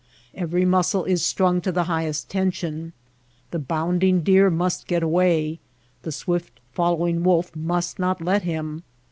Every muscle is strung to the highest tension. The bounding deer must get away; the swift following wolf must not let him.